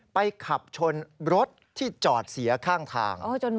ไปขับชนรถที่จอดเสียข้างทาง